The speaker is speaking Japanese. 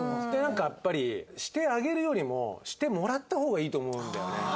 でなんかやっぱり「してあげる」よりも「してもらった」方がいいと思うんだよね。